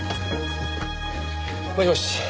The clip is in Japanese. もしもし。